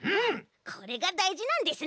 これがだいじなんですね。